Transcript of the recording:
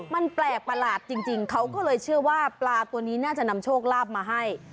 มันแปลกประหลาดจริงเขาก็เลยเชื่อว่าปลาตัวนี้น่าจะนำโชคลาภมาให้